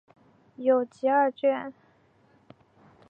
有集二卷。